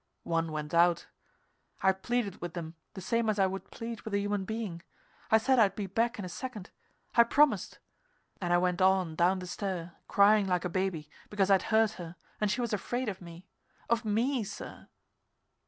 One went out. I pleaded with them, the same as I would plead with a human being. I said I'd be back in a second. I promised. And I went on down the stair, crying like a baby because I'd hurt her, and she was afraid of me of me, sir.